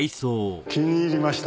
気に入りました？